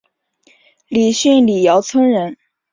李迅李姚村人。